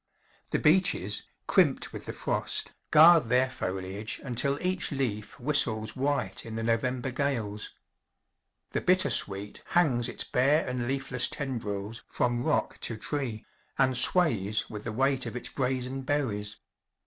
The beeches, crimped with the frost, guard their foliage until each leaf whistles white in the November gales. The bittersweet hangs its bare and leafless tendrils from rock to tree, and sways with the weight of its brazen berries.